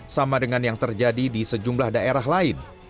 sama dengan yang terjadi di sejumlah daerah lain